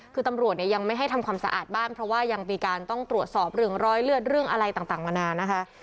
คือตำรวจเนี่ยยังไม่ให้ทำความสะอาดบ้านเพราะว่ายังมีการต้องตรวจสอบเรื่องรอยเลือดเรื่องอะไรต่างมานานนะคะ